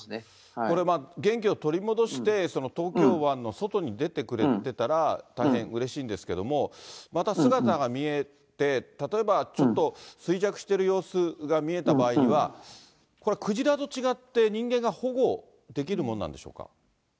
これ、元気を取り戻して東京湾の外に出てくれてたら大変うれしいんですけれども、また姿が見えて、例えばちょっと衰弱している様子が見えた場合には、これはクジラと違って、人間が保護できるものなんでしょうか。